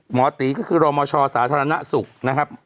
หมอตีก็คือรมชสาธารณสุขนะครับ